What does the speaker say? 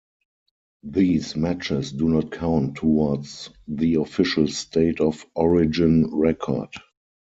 These matches do not count towards the official state of origin record.